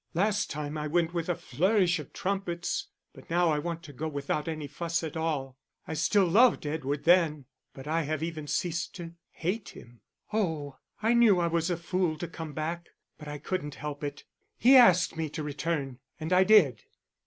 Last time I went with a flourish of trumpets, but now I want to go without any fuss at all. I still loved Edward then, but I have even ceased to hate him. Oh, I knew I was a fool to come back, but I couldn't help it. He asked me to return, and I did."